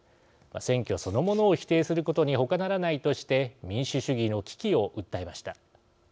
選挙そのものを否定することにほかならないとして民主主義の危機を訴えました。